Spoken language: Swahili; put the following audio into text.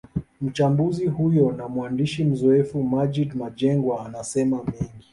Mchambuzi huyo na mwandishi mzoefu Maggid Mjengwa anasema mengi